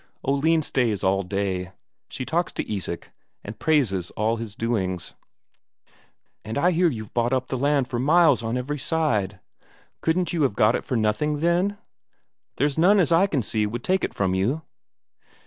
Oline stays all day. She talks to Isak, and praises all his doings. "And I hear you've bought up the land for miles on every side. Couldn't you have got it for nothing, then? There's none as I can see would take it from you."